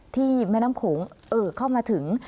แม่น้ำโขงเอ่อเข้ามาถึง